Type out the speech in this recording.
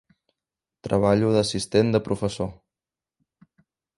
Treballo d'assistent de professor.